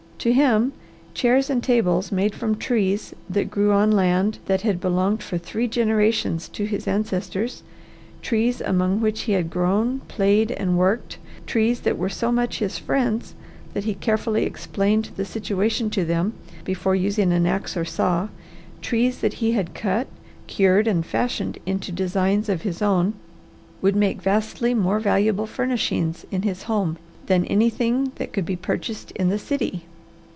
To him, chairs and tables made from trees that grew on land that had belonged for three generations to his ancestors, trees among which he had grown, played, and worked, trees that were so much his friends that he carefully explained the situation to them before using an ax or saw, trees that he had cut, cured, and fashioned into designs of his own, would make vastly more valuable furnishings in his home than anything that could be purchased in the city.